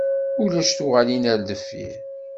Ulac tuɣalin ar deffir.